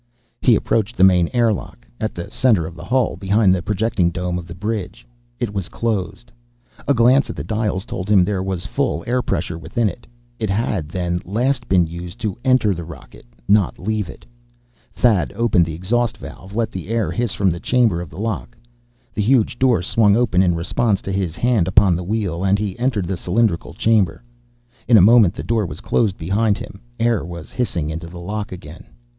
He approached the main air lock, at the center of the hull, behind the projecting dome of the bridge. It was closed. A glance at the dials told him there was full air pressure within it. It had, then, last been used to enter the rocket, not to leave it. Thad opened the exhaust valve, let the air hiss from the chamber of the lock. The huge door swung open in response to his hand upon the wheel, and he entered the cylindrical chamber. In a moment the door was closed behind him, air was hissing into the lock again.